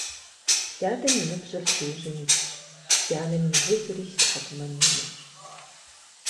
Си адэм и ныбжьыр си ужьым итщ, си анэм и гызри си тхьэкӏумэм имыкӏ.